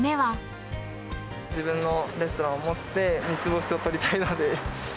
自分のレストランを持って、３つ星を取りたいので。